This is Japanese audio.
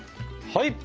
はい！